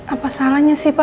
apa salahnya sih pak